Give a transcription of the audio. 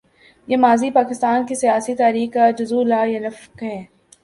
یہ ماضی پاکستان کی سیاسی تاریخ کا جزو لا ینفک ہے۔